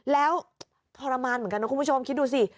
แล้วทรมานเหมือนกันนะคุณผู้ชมคิดดูสิ